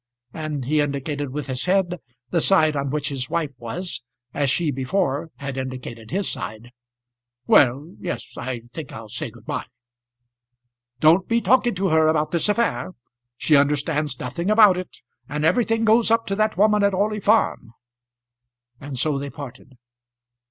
and he indicated with his head the side on which his wife was, as she before had indicated his side. "Well, yes; I think I'll say good bye." "Don't be talking to her about this affair. She understands nothing about it, and everything goes up to that woman at Orley Farm." And so they parted.